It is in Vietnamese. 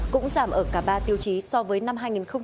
cũng giảm ở cả ba tiêu chí so với năm hai nghìn hai mươi hai